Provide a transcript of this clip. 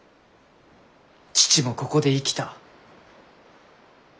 父もここで生きた。